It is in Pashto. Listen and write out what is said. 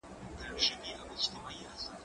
هغه وويل چي پاکوالی مهم دی؟